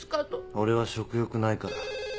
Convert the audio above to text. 俺は食欲ないから。